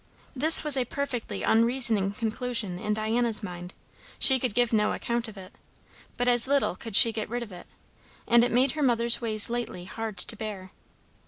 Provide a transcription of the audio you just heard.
This was a perfectly unreasoning conclusion in Diana's mind; she could give no account of it; but as little could she get rid of it; and it made her mother's ways lately hard to bear.